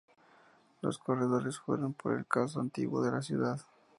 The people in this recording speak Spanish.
Los corredores fueron por el casco antiguo de la ciudad.